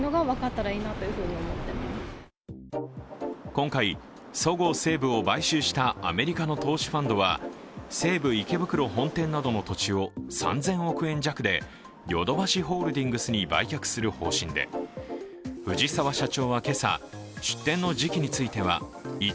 今回、そごう・西武を買収したアメリカの投資ファンドは西武池袋本店などの土地を３０００億円弱でヨドバシホールディングスに売却する方針で、・ただいまじいじ野球しよ！